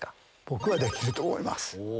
僕はできると思います。